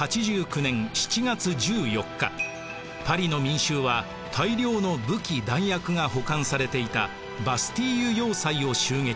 パリの民衆は大量の武器弾薬が保管されていたバスティーユ要塞を襲撃。